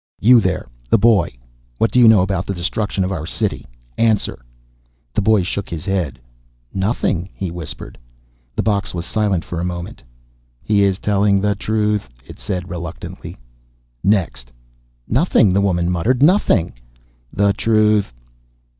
You there, the boy. What do you know about the destruction of our city? Answer!" The boy shook his head. "Nothing," he whispered. The box was silent for a moment. "He is telling the truth," it said reluctantly. "Next!" "Nothing," the woman muttered. "Nothing." "The truth."